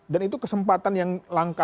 dan itu kesempatan yang langka